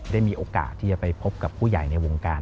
ได้มีโอกาสที่จะไปพบกับผู้ใหญ่ในวงการ